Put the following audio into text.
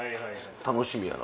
楽しみやな。